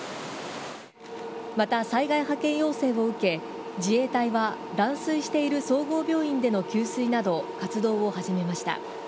また、災害派遣要請を受け、自衛隊は断水している総合病院での給水など、活動を始めました。